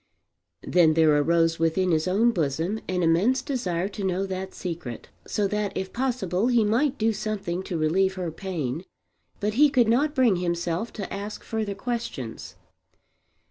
Then there arose within his own bosom an immense desire to know that secret, so that if possible he might do something to relieve her pain; but he could not bring himself to ask further questions.